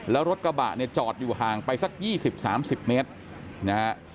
แล้วรถกระบะเนี่ยจอดอยู่ห่างไปสักยี่สิบสามสิบเมตรนะฮะ